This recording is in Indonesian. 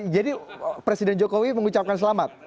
jadi presiden jokowi mengucapkan selamat